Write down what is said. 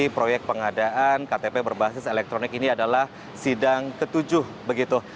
proyek pengadaan ktp berbasis elektronik ini adalah sidang ke tujuh begitu